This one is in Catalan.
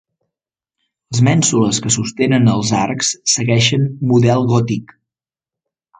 Les mènsules que sostenen els arcs segueixen model gòtic.